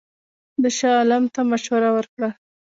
ده شاه عالم ته مشوره ورکړه.